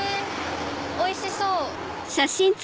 おいしそう！